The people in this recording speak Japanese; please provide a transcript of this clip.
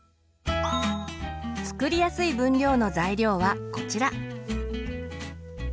作りやすい分量の材料はこちら。